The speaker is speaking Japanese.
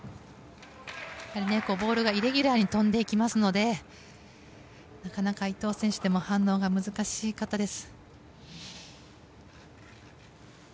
ボールがイレギュラーに飛んでいきますのでなかなか伊藤選手でも反応が難しかったです。